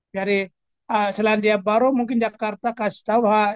jadi selandia baru mungkin jakarta kasih tahu